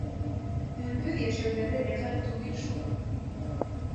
Өңһөҙ йәшәүҙәре рәхәт түгел шул.